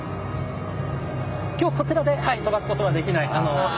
今日こちらで飛ばすことはできません。